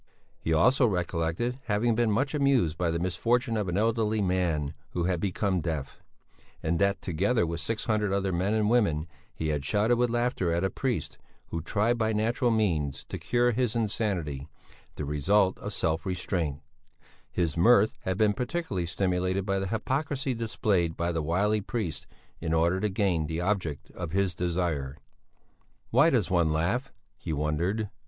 He also recollected having been much amused by the misfortune of an elderly man who had become deaf; and that, together with six hundred other men and women, he had shouted with laughter at a priest, who tried, by natural means, to cure his insanity, the result of self restraint; his mirth had been particularly stimulated by the hypocrisy displayed by the wily priest in order to gain the object of his desire. Why does one laugh? he wondered.